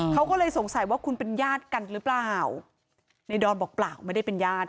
เขาก็เลยสงสัยว่าคุณเป็นญาติกันหรือเปล่าในดอนบอกเปล่าไม่ได้เป็นญาติ